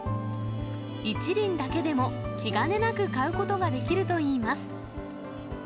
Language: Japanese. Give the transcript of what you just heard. １輪だけでも気兼ねなく買うことができるといいます。